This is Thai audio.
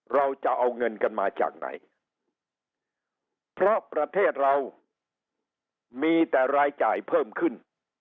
เราจะเอาเงินกันมาจากไหนเพราะประเทศเรามีแต่รายจ่ายเพิ่มขึ้น